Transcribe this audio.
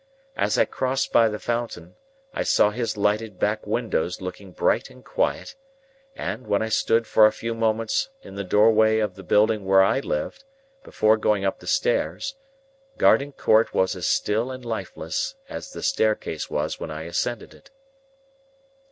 As I crossed by the fountain, I saw his lighted back windows looking bright and quiet, and, when I stood for a few moments in the doorway of the building where I lived, before going up the stairs, Garden Court was as still and lifeless as the staircase was when I ascended it.